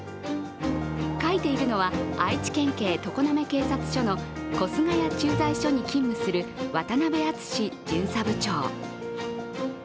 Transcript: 描いているのは愛知県常滑警察署の小鈴谷駐在所に勤務する渡邊淳巡査部長。